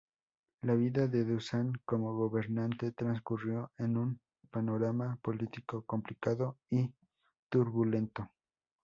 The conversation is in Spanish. La vida de Dušan como gobernante transcurrió en un panorama político complicado y turbulento.